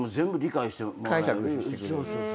解釈してくれる。